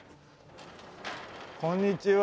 こんにちは。